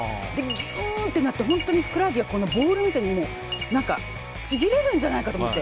ぎゅーってなって、ふくらはぎがボールみたいにちぎれるんじゃないかと思って。